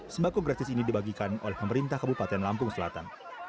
sembako gratis ini dibagikan oleh pemerintah kabupaten lampung selatan